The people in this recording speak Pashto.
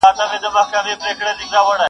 o نجلۍ له شرمه ځان پټوي او مقاومت نه کوي,